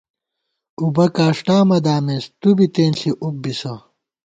اُبہ کاݭٹا مہ دامېس تُوبی تېنݪی اُب بِسہ